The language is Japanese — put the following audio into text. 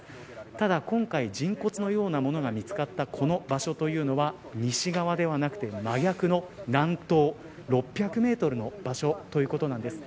ただ今回、人骨のようなものが見つかったこの場所というのは西側ではなくて、真逆の南東６００メートルの場所ということなんです。